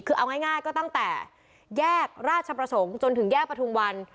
คือเอาง่ายก็ตั้งแต่แยกราชประสงค์จนถึงแยกประทุมวัน